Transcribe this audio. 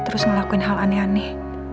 terus ngelakuin hal aneh aneh